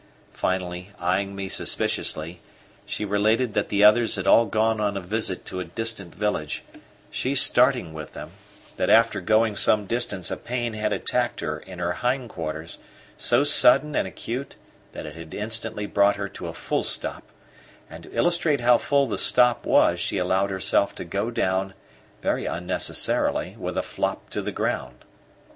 Finally, still eyeing me suspiciously, she related that the others had all gone on a visit to a distant village, she starting with them; that after going some distance a pain had attacked her in her hind quarters, so sudden and acute that it had instantly brought her to a full stop; and to illustrate how full the stop was she allowed herself to go down, very unnecessarily, with a flop to the ground.